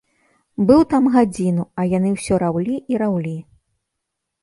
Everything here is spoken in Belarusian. Быў там гадзіну, а яны ўсё раўлі і раўлі.